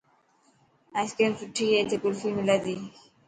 ائس ڪريم سٺي هي.اٿي ڪلفي ملي تي.